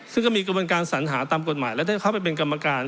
ซึ่งก็มีกระบวนการสัญหาตามกฎหมายแล้วถ้าเข้าไปเป็นกรรมการ